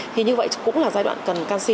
thì như vậy cũng là giai đoạn cần canxi